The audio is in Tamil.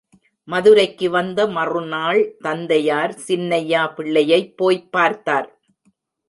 மதுரைக்கு வந்த மறுநாள் தந்தையார், சின்னையா பிள்ளையைப் போய்ப் பார்த்தார்.